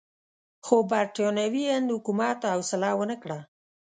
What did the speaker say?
خو برټانوي هند حکومت حوصله ونه کړه.